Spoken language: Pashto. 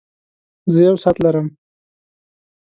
زۀ يو ساعت لرم.